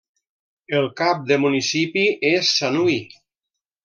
El cap de municipi és Sanui.